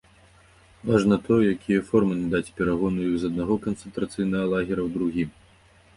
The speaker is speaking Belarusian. Важна тое, якія формы надаць перагону іх з аднаго канцэнтрацыйнага лагера ў другі.